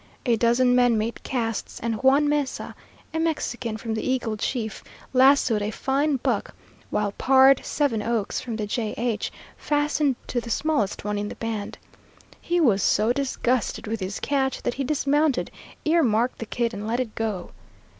A dozen men made casts, and Juan Mesa, a Mexican from the Eagle Chief, lassoed a fine buck, while "Pard" Sevenoaks, from the J+H, fastened to the smallest one in the band. He was so disgusted with his catch that he dismounted, ear marked the kid, and let it go.